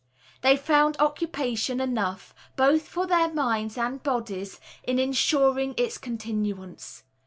They found occupation enough, both for their minds and bodies, in insuring its continuance.